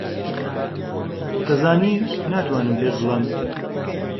دەزانی ناتوانم پێت بڵێم.